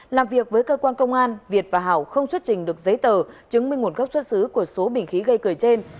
làm việc với cơ quan công an việt và hảo không xuất trình được giấy tờ chứng minh nguồn gốc xuất xứ của số bình khí gây cười trên